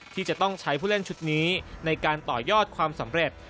ที่จะต้องใช้ผู้เล่นชุดนี้ในการต่อยอดความสำเร็จ